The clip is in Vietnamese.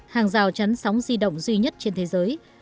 hàng rào chắn sóng di động duy nhất trên thế giới